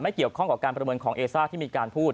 เกี่ยวข้องกับการประเมินของเอซ่าที่มีการพูด